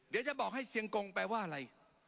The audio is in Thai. เดี๋ยวจะบอกให้เชียงกงแปลว่าอะไร